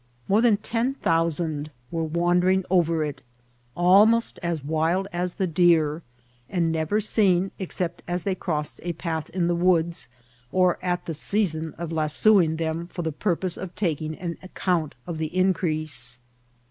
More than ten thousand were wandering over it, almost as wild as the deer, and never seen ex cept as they crossed a path in the woods, or at the sea* son of lasoing them for the purpose of taking an ac count of the increase.